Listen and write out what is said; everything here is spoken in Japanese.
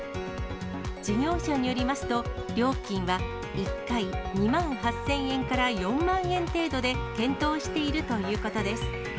事業者によりますと、料金は１回２万８０００円から４万円程度で検討しているということです。